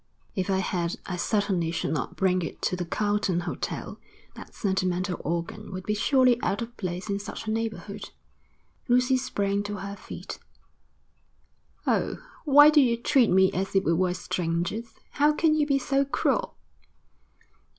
'If I had I certainly should not bring it to the Carlton Hotel. That sentimental organ would be surely out of place in such a neighbourhood.' Lucy sprang to her feet. 'Oh, why do you treat me as if we were strangers? How can you be so cruel?'